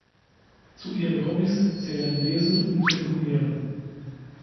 Zu ihren Hobbys zählen Lesen und Telefonieren.